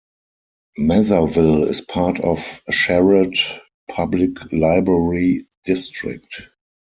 Matherville is part of Sherrard Public Library District.